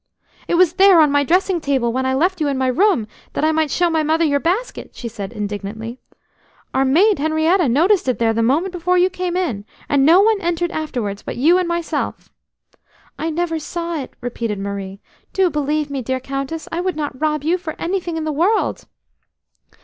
"It was there, on my dressing table, when I left you in my room that I might show my mother your basket!" she said indignantly. "Our maid, Henrietta, noticed it there the moment before you came in, and no one entered afterwards but you and myself." "I never saw it!" repeated Marie. "Do believe me, dear Countess! I would not rob you for anything in the world!"